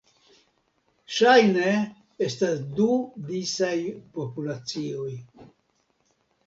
Ŝajne estas du disaj populacioj.